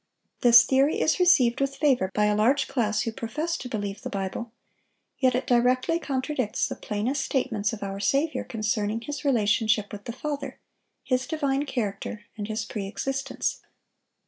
This theory is received with favor by a large class who profess to believe the Bible; yet it directly contradicts the plainest statements of our Saviour concerning His relationship with the Father, His divine character, and His pre existence.